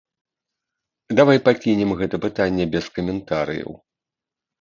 Давай пакінем гэта пытанне без каментарыяў.